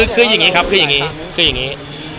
คืออย่างงี้ครับคืออย่างงี้